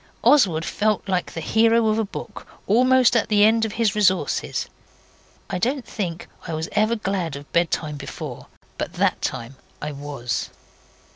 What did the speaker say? Oswald felt like the hero of a book 'almost at the end of his resources'. I don't think I was ever glad of bedtime before, but that time I was.